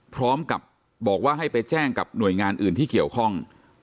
พร้อมกับบอกว่าให้ไปแจ้งกับหน่วยงานอื่นที่เกี่ยวข้อง